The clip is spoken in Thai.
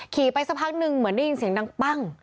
ไปสักพักหนึ่งเหมือนได้ยินเสียงดังปั้ง